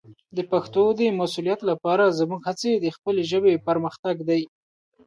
د پښتو د مسوولیت لپاره زموږ هڅې د خپلې ژبې پرمختګ دی.